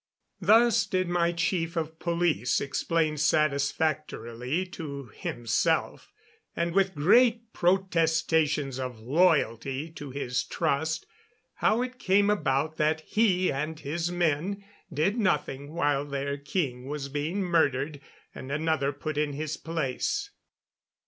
Thus did my chief of police explain satisfactorily to himself, and with great protestations of loyalty to his trust, how it came about that he and his men did nothing while their king was being murdered and another put in his place.